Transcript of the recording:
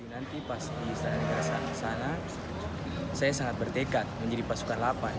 nanti pas di istana negara sana saya sangat bertekad menjadi pasukan lapan